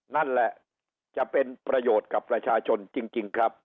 นั่นแหละจะเป็นประโยชน์กับประชาชนจริงครับ